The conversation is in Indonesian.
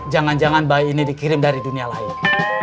jangan jangan bayi ini dikirim dari dunia lain